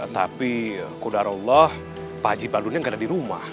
tapi kudarallah pak haji badrunnya gak ada di rumah